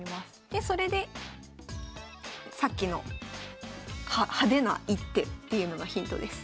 でそれでさっきの「派手な一手」っていうのがヒントです。